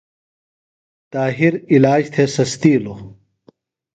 طاہر علاج تھےۡ سستیلوۡ۔